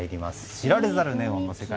知られざるネオンの世界。